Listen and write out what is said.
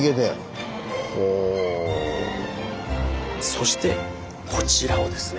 そしてこちらをですね。